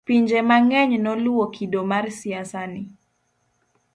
pinje mang'eny noluwo kido mar siasa ni